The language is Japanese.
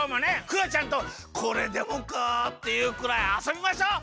クヨちゃんとこれでもかっていうくらいあそびましょう！